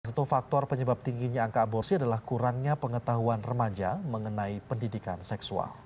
satu faktor penyebab tingginya angka aborsi adalah kurangnya pengetahuan remaja mengenai pendidikan seksual